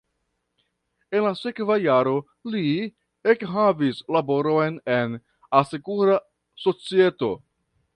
En la sekva jaro li ekhavis laboron en asekura societo.